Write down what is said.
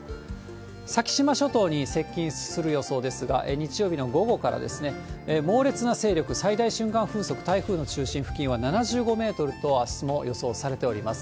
先島諸島に接近する予想ですが、日曜日の午後からですね、猛烈な勢力、最大瞬間風速、台風の中心付近は７５メートルと、あすも予想されております。